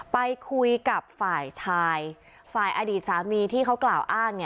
ไปคุยกับฝ่ายชายฝ่ายอดีตสามีที่เขากล่าวอ้าง